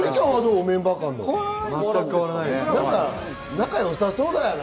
仲よさそうだよね。